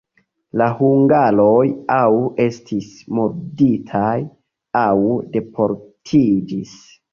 La hungaroj aŭ estis murditaj, aŭ deportiĝis.